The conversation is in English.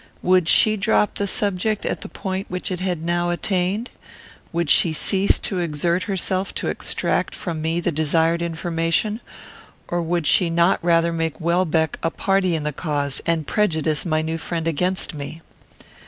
Would she drop the subject at the point which it had now attained? Would she cease to exert herself to extract from me the desired information, or would she not rather make Welbeck a party in the cause, and prejudice my new friend against me?